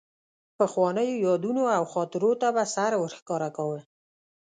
پخوانیو یادونو او خاطرو ته به سر ورښکاره کاوه.